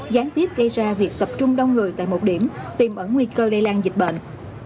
gián tiếp gây ra việc tập trung đông người tại một điểm tìm ẩn nguy cơ lây lan dịch bệnh